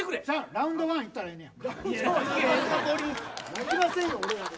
ラウンドワン行ったらいいんや。